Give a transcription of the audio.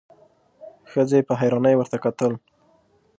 ښځې په حيرانۍ ورته کتل: